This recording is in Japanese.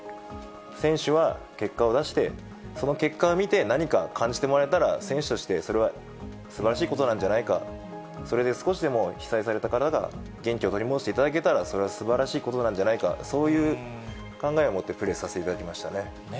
選手は、結果を出して、その結果を見て、何か感じてもらえたら、選手としてそれはすばらしいことなんじゃないか、それで少しでも被災された方々が元気を取り戻していただけたら、それはすばらしいことなんじゃないか、そういう考えを持ってプレーさせていただきましたね。